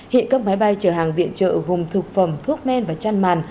hiện các máy bay chở hàng viện trợ gồm thực phẩm thuốc men và chăn màn